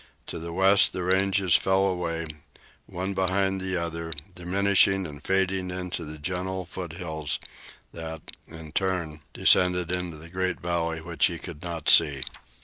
To the west the ranges fell away, one behind the other, diminishing and fading into the gentle foothills that, in turn, descended into the great valley which he could not see.